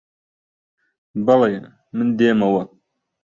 بەڵێ، من دێمەوە